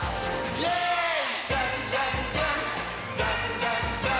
「じゃんじゃん！